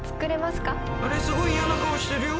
すごい嫌な顔してるよ。